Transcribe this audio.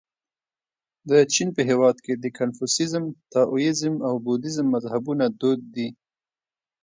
د چین په هېواد کې د کنفوسیزم، تائویزم او بودیزم مذهبونه دود دي.